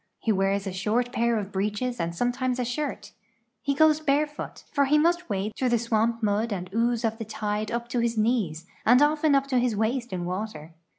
He wears a short pair of breeches and sometimes a shirt. He goes bare foot, for he must wade through the swamp mud and ooze of the tide U}) to his knees, and often up to his waist in water.